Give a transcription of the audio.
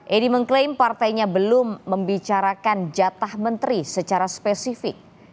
edi mengklaim partainya belum membicarakan jatah menteri secara spesifik